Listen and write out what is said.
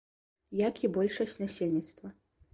Як і большасць насельніцтва.